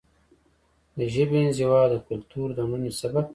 د ژبې انزوا د کلتور د مړینې سبب کیږي.